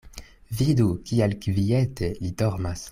Vidu, kiel kviete li dormas.